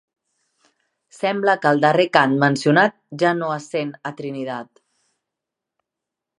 Sembla que el darrer cant mencionat ja no es sent a Trinidad.